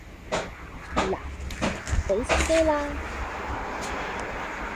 嗱畀心機啦